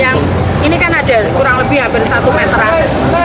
jadi nanti perumnya itu kita ambil supaya ngambil badan jalannya nggak terlalu lambat